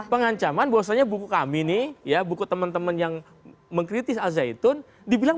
pengancaman bahwasanya buku kami nih ya buku teman teman yang mengkritis al zaitun dibilang